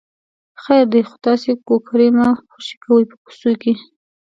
خیر دی خو تاسې کوکری مه خوشې کوئ په کوڅو کې.